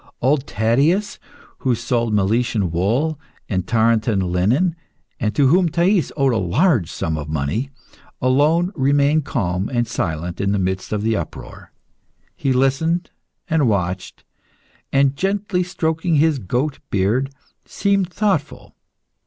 Old Taddeus, who sold Miletan wool and Tarentan linen, and to whom Thais owed a large sum of money, alone remained calm and silent in the midst of the uproar. He listened and watched, and gently stroking his goat beard, seemed thoughtful.